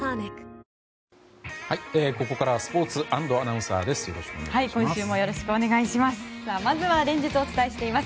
ここからはスポーツ安藤アナウンサーです。